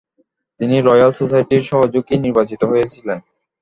তিনি রয়্যাল সোসাইটির সহযোগী নির্বাচিত হয়েছিলেন।